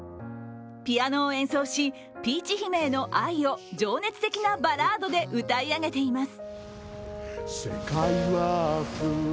ピアノを演奏し、ピーチ姫への愛を情熱的なバラードで歌い上げています。